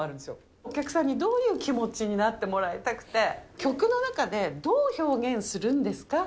お客さんにどういう気持ちになってもらいたくて、曲の中で、どう表現するんですか？